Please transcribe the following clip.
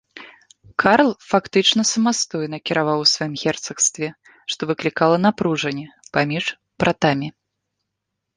Карл фактычна самастойна кіраваў у сваім герцагстве, што выклікала напружанне паміж братамі.